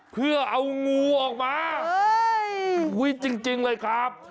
เพื่อเอางูออกมาเฮ้ยอุ้ยจริงจริงเลยครับ